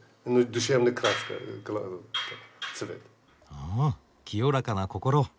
あ清らかな心。